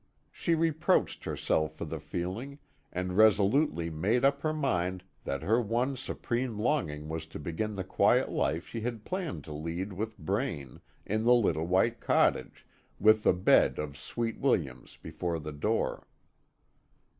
She reproached herself for the feeling, and resolutely made up her mind that her one supreme longing was to begin the quiet life she had planned to lead with Braine, in the little white cottage, with the bed of sweet williams before the door.